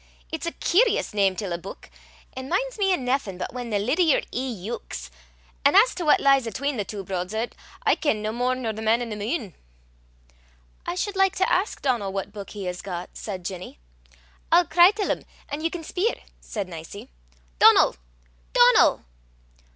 It's a keerious name till a buik, an' min's me o' naething but whan the lid o' yer e'e yeuks (itches); an' as to what lies atween the twa brods o' 't, I ken no more nor the man i' the meen." "I should like to ask Donal what book he has got," said Ginny. "I'll cry till 'im, an' ye can speir," said Nicie. "Donal! Donal!"